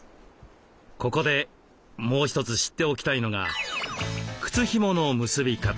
ここでもう一つ知っておきたいのが靴ひもの結び方。